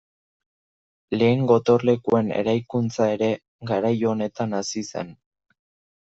Lehen gotorlekuen eraikuntza ere, garai honetan hasi zen.